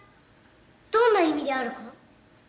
どんな意味であるか？